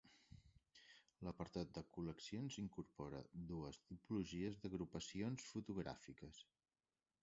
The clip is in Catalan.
L'apartat de col·leccions incorpora dues tipologies d'agrupacions fotogràfiques.